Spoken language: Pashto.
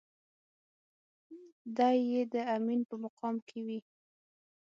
دی يې د امين په مقام کې وي.